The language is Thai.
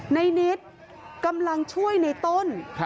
นิดกำลังช่วยในต้น